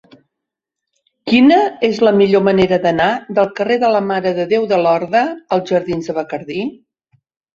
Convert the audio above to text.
Quina és la millor manera d'anar del carrer de la Mare de Déu de Lorda als jardins de Bacardí?